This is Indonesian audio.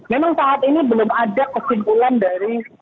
memang saat ini belum ada kesimpulan dari